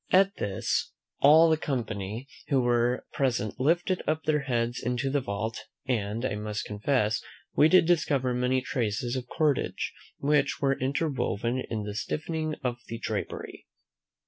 At this, all the company who were present lifted up their eyes into the vault; and I must confess, we did discover many traces of cordage, which were interwoven in the stiffening of the drapery.